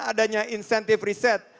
adanya insentif riset